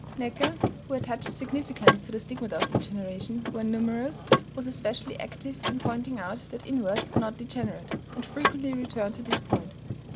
Näcke, who attached significance to the stigmata of degeneration when numerous, was especially active in pointing out that inverts are not degenerate, and frequently returned to this point.